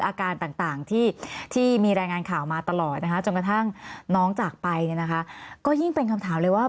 อาการต่างที่มีรายงานข่าวมาตลอดนะคะจนกระทั่งน้องจากไปเนี่ยนะคะก็ยิ่งเป็นคำถามเลยว่า